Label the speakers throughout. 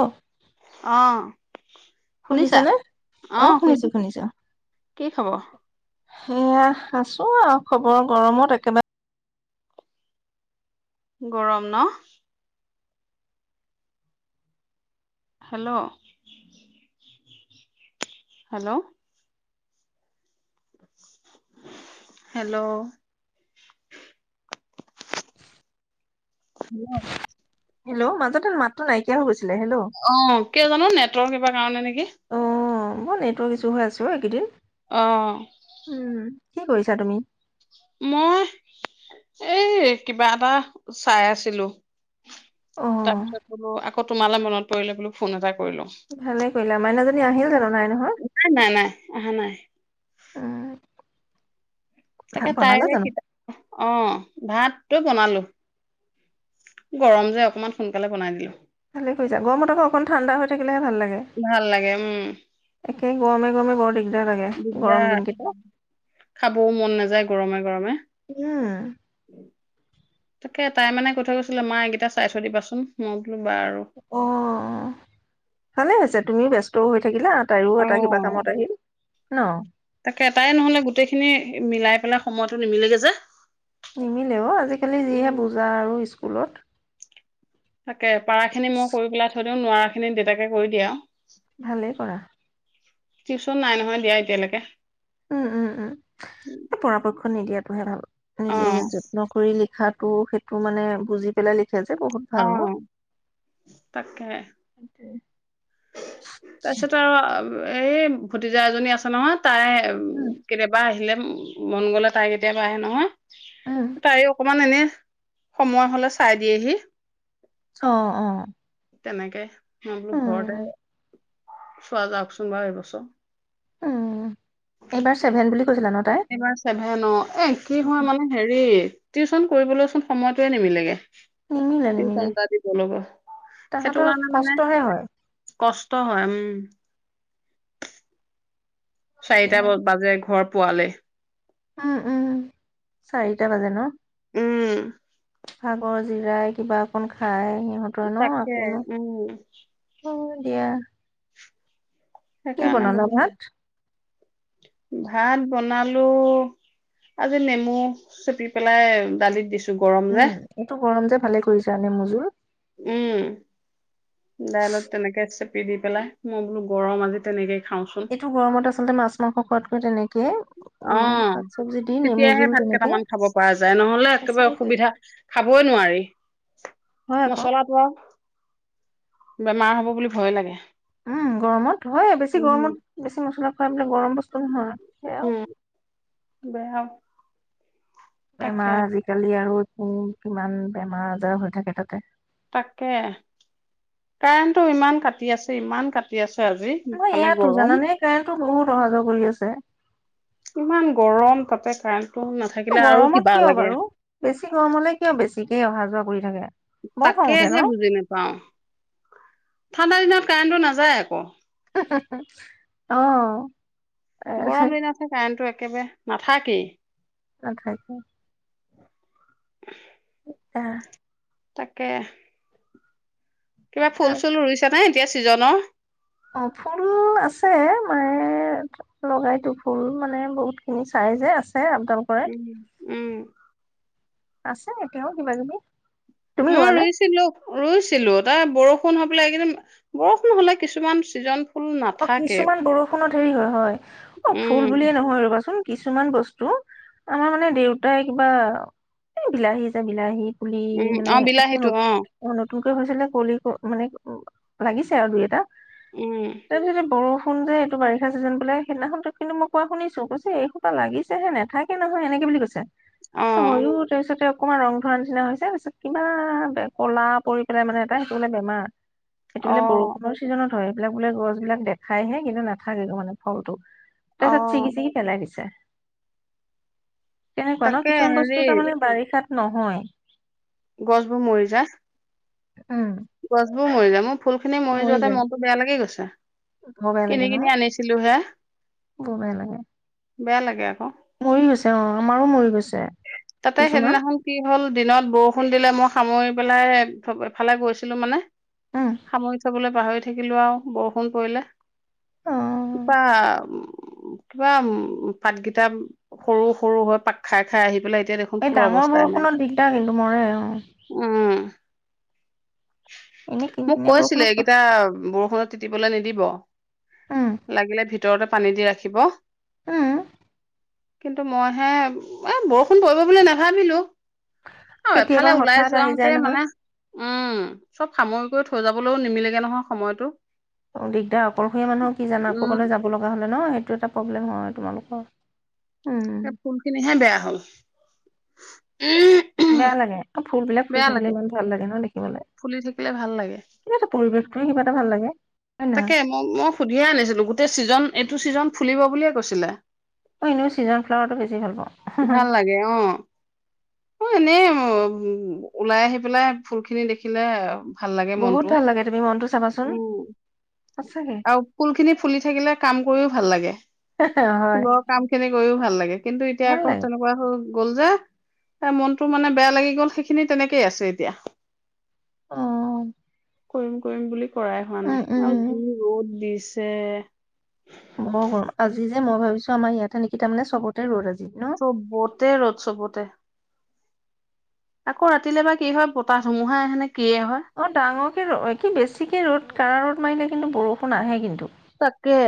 Speaker 1: অ
Speaker 2: অ শুনিছা?
Speaker 1: শুনিছানে
Speaker 2: অহ শুনিছো। কি খবৰ?
Speaker 1: ওৱা আছো আৰু খবৰ গৰমত একেবাৰে
Speaker 2: গৰম ন! Hello hello hello, hello
Speaker 1: hello মাজতে মাততটো নাইকিয়া হৈ গৈছে
Speaker 2: অ', কিয় জানো নেটৱৰ্ক [unintelligible] কি?
Speaker 1: বহুনেটৱৰ্ক ইছু হৈ আছে অ এইকেদিন।
Speaker 2: অ'।
Speaker 1: কি কৰিছা তুমি?
Speaker 2: মই এই কিবা এটা চাই আছিলোঁ।
Speaker 1: অ
Speaker 2: তাৰপিছত হ'লো আক' তোমালে মনত পৰিলে বোলো ফোন এটা কৰিলো
Speaker 1: ভালে কৰিলা, মাইনাজনী [unintelligible] আহিল জানো, নাই? নহয়
Speaker 2: নাই, নাই, নাই, আহা নাই।
Speaker 1: উম ভাত
Speaker 2: তাকে
Speaker 1: বনালা
Speaker 2: তাইৰে
Speaker 1: জানো
Speaker 2: কিবা, অ' ভাত। [unintelligible] বনালো। গৰম যে অকমান সোনকালে বনাই দিলোঁ।
Speaker 1: অ হই যাব গৰম অকন ঠাণ্ডা থাকিলে
Speaker 2: ভাল লাগে উমম।
Speaker 1: একে গৰমে গৰমে বৰ দিক
Speaker 2: দিগদাৰ, খাবও মন নাযায় গৰমে গৰমে
Speaker 1: উম
Speaker 2: তাকে তাই মানে কৈ থৈ গৈছিলে মা এইকেইটা চাই থৈ দিবাচোন, মই বোলো বাৰু
Speaker 1: অঅঅ ভালেই হৈছে। তুমিও ব্যস্ত হৈ থাকিলা! তাইও এটা কিবা
Speaker 2: অ'।
Speaker 1: কামত আহিল। ন!
Speaker 2: তাকে তাই নহলে গোটেইখিনি মিলাই পেলাই সময়তটো নিমিলেগে যে।
Speaker 1: নিমিলে অ আজিকালি যিহে
Speaker 2: উম।
Speaker 1: বুজা আৰু [inaudible]
Speaker 2: তাকে পাৰাখিনি মই কৰি পেলাই থৈ নোৱাৰাখিনি দেউতাকে কৰি দিয়া আৰু।
Speaker 1: ভালেই কৰা
Speaker 2: টিউশচন নাই নহয় দিয়া এতিয়ালৈকে।
Speaker 1: উম, উম, উম। এ, পৰাপক্ষ নিদিয়াতোহে ভাল।
Speaker 2: অ
Speaker 1: নিজে যত্ন কৰি লি হতো সেইটো মানে বুজি পেলাই লি
Speaker 2: অ', তাকেই। তাৰ পিছত আৰু এই ভতিজা এজনী আছে নহয়। তাই,
Speaker 1: উম
Speaker 2: কেতিয়াবা আহিলে উম, মন গলে তাই কেতিয়াবা আহে নহয়।
Speaker 1: উম
Speaker 2: তাই অকমান এনে সময় হ'লে চাই দিয়েহি।
Speaker 1: অ', অ।
Speaker 2: তেনেকে মই বোলো ঘৰতে
Speaker 1: উম
Speaker 2: চোৱা যাওকচোন বাৰু এইবছৰ।
Speaker 1: উম এইবাৰ ছেভেন বুলি কৈছিলা ন তাই
Speaker 2: এইবাৰ চেভেনত। এ, কি হয় মানে, হেৰি টিউচন কৰিবলৈচোন সময়টোৱে নিমিলেগে।
Speaker 1: নিমিলে নিমিলে
Speaker 2: টিউচন এটা দিবলেগৈ। সেইটো
Speaker 1: তাহাঁতৰ
Speaker 2: কাৰণে মানে,
Speaker 1: কষ্টহে হয়
Speaker 2: কষ্ট হয় উম। চাৰিটা
Speaker 1: এতিয়া
Speaker 2: ব-বাজে ঘৰ পোৱালে
Speaker 1: উম, উম, চাৰিটা বাজে ন?
Speaker 2: উম।
Speaker 1: ভাগৰ জিৰাই কিবা অকন খাই সিহঁতৰ ন
Speaker 2: তাকে
Speaker 1: আপোন অ',
Speaker 2: উম,
Speaker 1: [inaudible] [unintelligible] কি
Speaker 2: সেইকাৰণে
Speaker 1: বনালা
Speaker 2: বোলো।
Speaker 1: ভাত
Speaker 2: ভাত বনালো আজি, নেমু চেপি পেলাই দালিত দিছো। গৰম যে।
Speaker 1: উম, এইটো গৰম যে ভালে কৰিছা নেমুজোল।
Speaker 2: উম, দাইলত তেনেকে চেপি দি পেলাই মই বোলো গৰম আজি তেনেকে
Speaker 1: এইটো গৰমত, আচলতে মাছ মংসত খোৱাটো [unintelligible] তেনেকে উম,
Speaker 2: অ',
Speaker 1: শাক চবজি দি নেমু
Speaker 2: তেতিয়াহে
Speaker 1: জোল
Speaker 2: ভাত
Speaker 1: তেনেকে
Speaker 2: কেইটামান খাব পৰা যায়। নহ'লে একেবাৰে
Speaker 1: সঁচাকে
Speaker 2: অসুবিধা খাবই নোৱাৰি।
Speaker 1: হয়
Speaker 2: [inaudible]
Speaker 1: আকৌ
Speaker 2: মছলা পোৱা। বেমাৰ হব বুলি ভয় লাগে।
Speaker 1: উম গৰমত হয়ে। বেছি
Speaker 2: উম,
Speaker 1: গৰমত বেছি মছলা হয় এইবিলাক গৰম বস্তু এ হয়।
Speaker 2: উম। বেয়া। তাকে
Speaker 1: বেমাৰ আজিকালি আৰু উম কিমান বেমাৰ আজাৰ হৈ থাকে তাতে।
Speaker 2: তাকে কাৰেণ্টটো ইমান কাটি আছে ইমান কাটি আছে আজি
Speaker 1: ন
Speaker 2: ইফালে
Speaker 1: ইয়াতো
Speaker 2: গৰম।
Speaker 1: জানানে কাৰেণ্টটো বহুত অহা যোৱা কৰি আছে।
Speaker 2: ইমান [inaudible] আৰু
Speaker 1: গৰমত
Speaker 2: কিবা
Speaker 1: কিয়
Speaker 2: লাগে।
Speaker 1: বাৰু বেছি গৰম হলে কিয় বেছিকেই অহা যোৱা কৰি থাকে। বৰ খং উঠে ন
Speaker 2: তাকেহে বুজি নাপাওঁ। ঠাণ্ডাৰ দিনত কাৰেণ্টটো নাযায় আকৌ।
Speaker 1: অহ।
Speaker 2: গৰম দিনতহে কাৰেণ্টো এ। একেবাৰে নাথাকেই।
Speaker 1: নাথাকে।
Speaker 2: [inaudible]
Speaker 1: এটা।
Speaker 2: তাকে। কিবা ফুল
Speaker 1: তাৰ
Speaker 2: চুল ৰুইছা নে? এতিয়া ছিজনৰ
Speaker 1: অ ফুল আছে মায়ে লগাইতো ফুল মানে বহুত খিনি চাইজে আছে। আপডাল কৰে
Speaker 2: উম উম।
Speaker 1: আছে এতিয়াও কিবা কিবি। তুমি
Speaker 2: মই
Speaker 1: ৰোৱা নে
Speaker 2: ৰুইছিলো-ৰুইছিলো। অ' বৰষুণ হৈ পেলাই এইকেইদিন! বৰষুণ হলে কিছুমান চিজন
Speaker 1: অ কিছুমান বৰষুণত। [unintelligible] হয় হয়। অ ফুল
Speaker 2: উম,
Speaker 1: বুলিয়ে নহয় ৰবাচোন। কিছুমান বস্তু আমাৰ মানে দেউতাই কিবা এ বিলাহী যে বিলাহীত।
Speaker 2: উম অ বিলাহীটো অ।
Speaker 1: নতুনকৈ হৈছিলে কলি- মানে- অ লাগিছে আৰু দুই এটা।
Speaker 2: উম,
Speaker 1: [unintelligible] শুন যে, এইটো বাৰিষা চিজন বোলে, সেইদিনাখন কিন্তু মই কোৱা শুনিছো, কৈছে এইসোপা লাগিছেহে নেথাকে নহয় -এনেকে বুলি কৈছে।
Speaker 2: অ',
Speaker 1: হয়ো, তাৰপিছতে আক অকণমান ৰং ধৰা নিচিনা হৈছে, তাৰপিছত কিবা বে, ক'লা পৰি পেলাই মানে এটা, সেইটো বোলে বেমাৰ। সেইটো বোলে
Speaker 2: অ',
Speaker 1: বৰষুণৰ ছিজনত হয়, এইবিলাক বোলে, গছ বিলাক দেখাইহে, কিন্তু নাথাকেগৈ মানে ফলটো। তাৰপিছত ছিগি,
Speaker 2: অ',
Speaker 1: ছিগি পেলাই দিছে। কেনেকুৱা ন!
Speaker 2: তাকে
Speaker 1: কিছুমান
Speaker 2: হেৰি
Speaker 1: বস্তু তাৰমানে বাৰিষাত নহয়।
Speaker 2: গছবোৰ মৰি যায়।
Speaker 1: উম।
Speaker 2: গছবোৰ মৰি যায়, মোক ফুল খিনি মৰি যোৱাতে মনটো বেয়া লাগি গৈছে,
Speaker 1: বৰ বেয়া লাগে
Speaker 2: কিনি,
Speaker 1: ন
Speaker 2: কিনি আনিছিলোঁ হে।
Speaker 1: বৰ বেয়া লাগে
Speaker 2: বেয়া লাগে আকৌ।
Speaker 1: মৰি গৈছে, অ', আমাৰো মৰি গৈছে।
Speaker 2: তাতে
Speaker 1: কিছুমান
Speaker 2: সেইদিনাখন কি হ'ল, দিনত বৰষু বৰষুণ দিলে, মই সামৰি পেলাই এক্তএফালে গৈছিলোঁ মানে
Speaker 1: উম
Speaker 2: সামৰি থ'বলৈ পাহৰি থ থাকিলোঁ আৰু, বৰষুণ পৰিলে।
Speaker 1: অ
Speaker 2: [unintelligible] উম। উ, কিবা, উম পাতকিটা সৰু-সৰু হৈ পাক খাই, খাই আহি পেলাই এতিয়া দেখোন
Speaker 1: এই
Speaker 2: ফুলৰ
Speaker 1: ডাঙৰ
Speaker 2: অৱস্থাই নাই
Speaker 1: বৰষুণত দিগদাৰ কিন্তু, মৰে। অ।
Speaker 2: উম।
Speaker 1: এনেই কিন
Speaker 2: মোক
Speaker 1: কিনিয়া
Speaker 2: কৈছিলে,
Speaker 1: বৰষুণত ক-
Speaker 2: এইকেইটা বৰ ষুণত তিতিবলৈ নিদিব।
Speaker 1: উম
Speaker 2: লাগিলে ভিত ভিতৰতে পানী দি ৰাখিব।
Speaker 1: উম।
Speaker 2: কিন্তু মইহে, এ বৰষু ফোন কৰিব বুলি নাভাবিলোঁ। আৰু
Speaker 1: কেতিয়াবা
Speaker 2: এফালে ওলাই
Speaker 1: হঠাৎ আহি যায়
Speaker 2: যোৱাওঁতে
Speaker 1: নহয়
Speaker 2: মানে, উম চব সামৰি কৰি থৈ যাবলৈও নিমিলেগে নহয় সময়টো।
Speaker 1: অ দিগদাৰ। অকলশৰীয়া মানুহৰ কি জানা,
Speaker 2: উম
Speaker 1: কবালৈ যাব লগা হলে ন এইটো এটা প্ৰব্লেম হয় তোমালোকৰ।
Speaker 2: এ ফুলখিনি হে বেয়া হ'ল।
Speaker 1: বেয়া লাগে। ফুলবিলাক ফুলি
Speaker 2: বেয়া
Speaker 1: থাকিলে
Speaker 2: লাগে
Speaker 1: ইমান ভাল লাগে ন দেখিবলৈ,
Speaker 2: ফুলি থাকিলে ভাল লাগে
Speaker 1: কিবা এটা পৰিৱেশ এনেই কিবা এটা ভাল লাগে। হয় নহয়
Speaker 2: তাকে মই মই সুধিয়ে আনিছিলোঁ, গোটেই ছিজন এইটো ছিজন ফুলিব বুলিয়ে কৈছিলে।
Speaker 1: অ', এনেও ছিজন ফ্লাৱাৰটো বেছি ভাল পাওঁ।
Speaker 2: ভাল লাগে, অ'। অ', এনেই উম, ওলাই আহি পেলাই ফুলখিনি দেখিলে ভাল লাগে
Speaker 1: বহুত
Speaker 2: মনটো
Speaker 1: ভাল লাগে তুমি মনটো চাবাচোন।
Speaker 2: উম
Speaker 1: সঁচাকে
Speaker 2: আৰু ফুলখিনি ফুলি থাকিলে কাম কৰি ভাল লাগে।
Speaker 1: হয়।
Speaker 2: গৈও ভাল লাগে। কিন্তু এতিয়া
Speaker 1: ভাল
Speaker 2: আকৌ
Speaker 1: লাগে
Speaker 2: তেনেকুৱা হ'ল। গ'ল যে, এ মনটো মানে বেয়া লাগি গ'ল সেইখিনি তেনেকেই আছে এতিয়া।
Speaker 1: অহ।
Speaker 2: কৰিম কৰিম বুলি কৰাই হোৱা নাই, আৰু
Speaker 1: উম
Speaker 2: যি দিছে।
Speaker 1: বৰ গৰম। আজি যে মই ভাবিছোঁ আমাৰ ইয়াতে নেকি তাৰমানে চবতে ৰ'দ আজি। ন
Speaker 2: চবতে ৰ'দ, চবতে। আকৌ ৰাতিলে বা কি হয়, বতাহ ধুমুহা আহেনে। কিয়ে হয়
Speaker 1: অ', ডাঙৰকে ৰ কি বেছিকে ৰ'দ কাৰা ৰ'দ মাৰিলে কিন্তু বৰষুণ আহে কিন্তু।
Speaker 2: তাকে।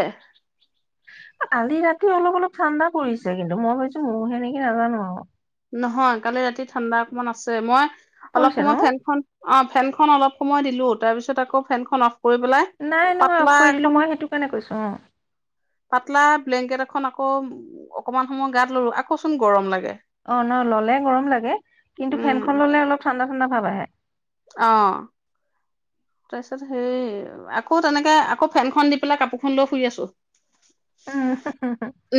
Speaker 1: আজি ৰাতি অলপ অলপ ঠাণ্ডা পৰিছে কিন্তু মই ভাবিছোঁ মোৰ হে নেকি নাজানো আৰু।
Speaker 2: নহয়, কালি ৰাতি ঠাণ্ডা অকমান আছে। মই অলপ
Speaker 1: পৰিছে ন
Speaker 2: সময় ফেনখন, অ' ফেনখন অলপ সময় দিলোঁ, তাৰপিছত আকৌ ফেনখন অফ কৰি পেলাই
Speaker 1: নাই নহয়,
Speaker 2: পাতলা
Speaker 1: অফ কৰি
Speaker 2: এখন
Speaker 1: দিলোঁ, মই সেইটো কাৰণে কৈছোঁ।
Speaker 2: পাতলা ব্লেংকেট এখন আকৌ অকনমান সময় গাত ললোঁ, আকৌ চোন গৰম লাগে।
Speaker 1: অ', ন। ল'লে গৰম লাগে কিন্তু ফেনখন ললে অলপ ঠাণ্ডা ঠাণ্ডা ভাব আহে।
Speaker 2: অহ। তাৰপিছত হেৰি আকৌ তেনেকে আকৌ ফেনখন দি পেলাই কাপোৰখন লৈ শুই আঁছো।
Speaker 1: উম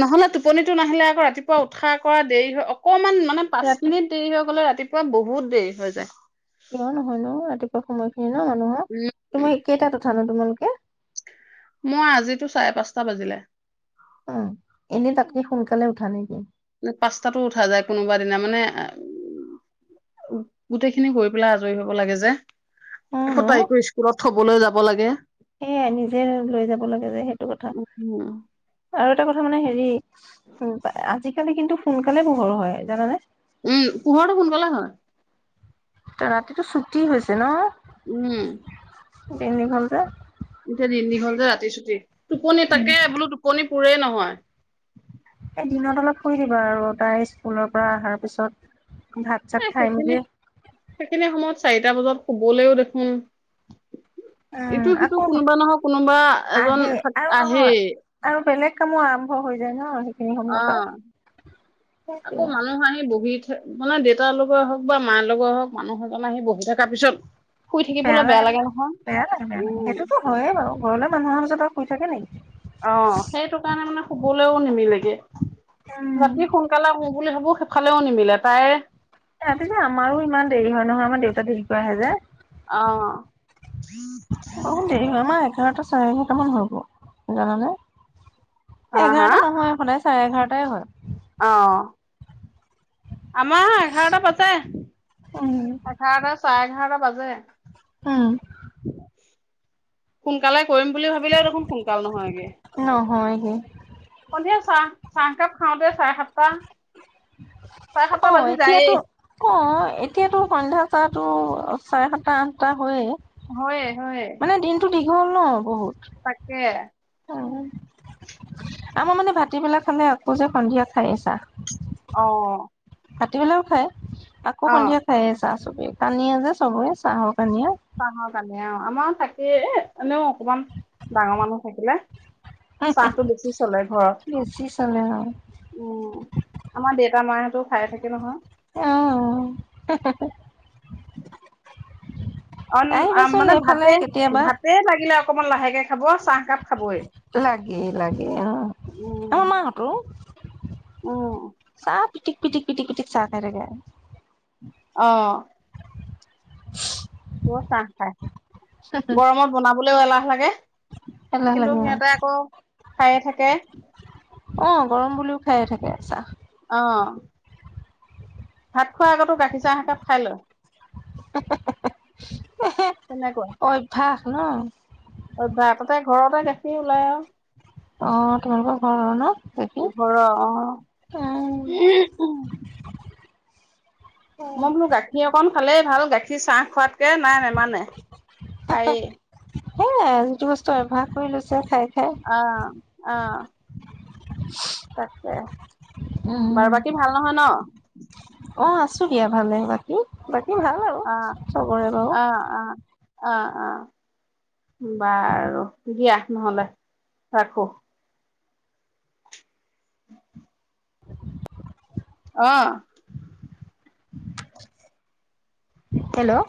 Speaker 2: নহলে টোপনিটো নাহিলে ৰাতিপুৱা উঠা-কৰা দেৰি হয়। [unintelligible] অকণমান, মানত, পাঁচ
Speaker 1: ৰাতি
Speaker 2: মিনিট দেৰি হৈ গ'লে, ৰাতি বহুত দেৰি হৈ যায়।
Speaker 1: কিয় নহয় ন ৰাতিপুৱা সময় হেই ন
Speaker 2: উম
Speaker 1: [unintelligible] তুমি কেইটা উঠা ন তোমালোকে
Speaker 2: মোৰ আজিতো চাৰে পাঁচটা বাজিলে।
Speaker 1: উম, এনে তাতকে সোনকালে উঠা নেকি?
Speaker 2: পাঁচটাতো উঠা যায় কোনোবা দিনা মানে- উউ-উ গোটেইখিনি গৈ পেলাই আজৰি হব লাগে যে
Speaker 1: অ
Speaker 2: আকৌ
Speaker 1: ন
Speaker 2: তাইকও স্কুলত থবলৈ যাব লাগে
Speaker 1: সেয়াই নিজে লৈ যাব লাগে যে সেইটো কথা
Speaker 2: উহহ
Speaker 1: আৰু এটা কথা মানে হেৰি- ‌ উম- আজিকালি কিন্তু সোনকালে পোহৰ হয় জানানে
Speaker 2: উম পোহৰটো সোনকালে হয়।
Speaker 1: ত' ৰাতিতটো ছুটি হৈছে ন'।
Speaker 2: উম
Speaker 1: বেনী [unintelligible]
Speaker 2: এতিয়া দিন দীঘল যে ৰাতি চুটি। টোপনি
Speaker 1: উম,
Speaker 2: তাকে বোলো টোপনি পোৰে নহয়
Speaker 1: দিনত অলপ শুই দিবা আৰু তাই স্কুলৰ পৰা আহাৰ পিছত ভাত চাত
Speaker 2: হে
Speaker 1: খাই
Speaker 2: সেইখিনি
Speaker 1: মেলি
Speaker 2: সেইখিনি সময়ত চাৰিটা বজাত শুবলৈও দেখোন
Speaker 1: উম্
Speaker 2: ইটো সিটো
Speaker 1: আকৌ
Speaker 2: কোনোবা নহয় কোনোবা এজন
Speaker 1: আহে
Speaker 2: থাক
Speaker 1: আৰু নহয়
Speaker 2: আহেই
Speaker 1: আৰু বেলেগ কামো আৰম্ভ হৈ যায় ন? সেইখিনি
Speaker 2: অ
Speaker 1: সময়ৰ পৰা
Speaker 2: আকৌ
Speaker 1: সেইটোৱে
Speaker 2: মানুহ আহি বহি থ মানে দেউতাৰ লগে হওক বা মাৰ লগে হওক মানুহ এজন আহি বহি থকাৰ পিছত শুই
Speaker 1: বেয়া
Speaker 2: থাকিবলৈ
Speaker 1: লাগে মানে
Speaker 2: নহয়
Speaker 1: বেয়া লাগে বেয়া লাগে
Speaker 2: উম
Speaker 1: সেইটো হয়ে বাৰু ঘৰলৈ মানুহৰ দাদা শুই থাকে নেকি?
Speaker 2: অহ্ সেইটো কাৰণে মানে শুবলৈও নিমিলেগে
Speaker 1: উম,
Speaker 2: ৰাতি সোনকালে শু। বুলি ভাৱোঁ সেইফালেও নিমিলে তাইৰ
Speaker 1: ৰাতি যে আমাৰো ইমান দেৰি হয় নহয় আমাৰ দেউতা দেৰিকৈ আহে যে
Speaker 2: অঁ
Speaker 1: বহুত দেৰি হয় আমাৰ এঘাৰটা চাৰে এঘাৰটামান হব জানানে
Speaker 2: হা
Speaker 1: এঘাৰটা নহয় সদায় চাৰে এঘাৰ তায়ে হয়
Speaker 2: অহ্ আমাৰ এঘাৰটা বাজে,
Speaker 1: উম,
Speaker 2: এঘাৰটাত চাৰে এঘাৰটা বাজে।
Speaker 1: উম
Speaker 2: সোনকালে কৰিম বুলি ভাবিলে দেখোন সোনকাল নহয়গে।
Speaker 1: নহয়গে
Speaker 2: এয়া চাহ - চাহকাপ খাওঁতে চাৰে সাতটা চাৰে সাতটা
Speaker 1: অ
Speaker 2: বাজি যায়েই
Speaker 1: এতিয়াতো- অ এতিয়াতো সন্ধ্যা চাহটো চাৰে সাতটা আঠটা হয়েই।
Speaker 2: হয়ে- হয়ে
Speaker 1: ন বহুত।
Speaker 2: তাকে
Speaker 1: টিবেলা খালে আকৌ যে সন্ধিয়া খাইয়ে চাহ।
Speaker 2: অ
Speaker 1: [unintelligible] লাও খাই আকৌ
Speaker 2: অ
Speaker 1: সন্ধিয়া খায়েই চ চাহ চবে কানিয়া যে চবে চাহৰ কানিয়া।
Speaker 2: চাহৰ কানিয়া অ, আমাৰো থাকেই এ এনেও অকমান ডাঙৰ মানুহ থাকিলে চাহটো বেছি চলে
Speaker 1: বেছি চলে আৰু
Speaker 2: ঘৰত। উম, আমাৰ দেতা মাইহতো খায়ে থাকে নহয়।
Speaker 1: উ
Speaker 2: অন আম,
Speaker 1: আহিবাচোন
Speaker 2: মানে
Speaker 1: এইফালে
Speaker 2: ভাতে,
Speaker 1: কেতিয়াবা
Speaker 2: ভাতে লাগিলে অকমান লাহেকে খাব চাহকাপ খাবই
Speaker 1: লাগেই লাগে অ,
Speaker 2: উম
Speaker 1: আমাহতো
Speaker 2: উম
Speaker 1: চা পিটিক-পিটিক- পিটিক -পিঠিক চাহ খাই থাকে।
Speaker 2: অ
Speaker 1: [inaudible]
Speaker 2: বৰ চাহ খাই, গৰমত বনাবলেও এলাহ। লাগে
Speaker 1: এলাহ
Speaker 2: কিন্তু
Speaker 1: লাগে আৰু
Speaker 2: সিহঁতে আকৌ খায়ে থাকে
Speaker 1: অ গৰম বুলিও খায়ে থাকে, চাহ।
Speaker 2: অ ভাত খোৱা আগতো গাখীৰ চাহ একাপ খাই লয়।
Speaker 1: হে- হে- হে- হে, এহে, অভ্যাস। ন
Speaker 2: অভ্যা, তাতে ঘৰতে গাখীৰ ওলাই আৰু
Speaker 1: অ, তোমালোকক অ - ন পেহী?
Speaker 2: ঘৰ- অ
Speaker 1: উম,
Speaker 2: মই বোলো গাখীৰ অকন খালেই ভাল, গাখ কি চাহ খোৱাতকে নাই নেমানে, খায়েই।
Speaker 1: হেয়াই, যিটো বছ [unintelligible] অভ্যাস কৰি লৈছে খাই
Speaker 2: অ অ
Speaker 1: খাই।
Speaker 2: তাকে।
Speaker 1: উম।
Speaker 2: বাৰ বাকী ভাল নহয় ন? [inaudible]
Speaker 1: অ আছোঁ দিয়া ভালে বাকী বা মোৰ ভাল আৰু
Speaker 2: অ
Speaker 1: চবৰে বাৰু।
Speaker 2: অ অ অ অ বাৰু দিয়া নহলে ৰাখোঁ। অহ্
Speaker 1: হেল্লো!